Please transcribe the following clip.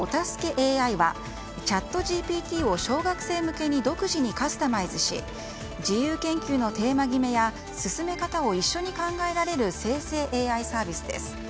ＡＩはＣｈａｔＧＰＴを小学生向けに独自にカスタマイズし自由研究のテーマ決めや進め方を一緒に考えられる生成ＡＩサービスです。